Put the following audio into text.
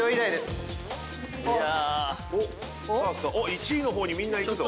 １位の方にみんな行くぞ。